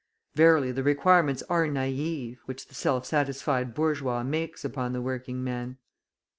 Verily the requirements are naive, which the self satisfied bourgeois makes upon the working man!